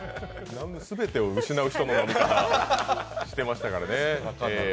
全てを失い人の飲み方してましたからね。